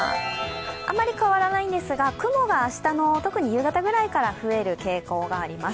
あまり変わらないんですが、雲が明日の夕方くらいから増える傾向があります。